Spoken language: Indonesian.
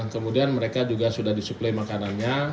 kemudian mereka juga sudah disuplai makanannya